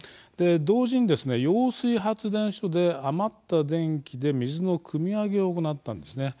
同時に揚水発電所で余った電気で水のくみ上げを行ったんですね。